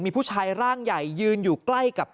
มีผู้ชายร่างใหญ่ยืนอยู่ใกล้กับ